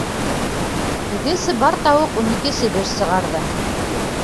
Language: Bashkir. Теге сыбар тауыҡ ун ике себеш сығарҙы.